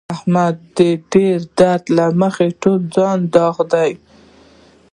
احمد د ډېر درد له مخې ټول ځان داغلی دی.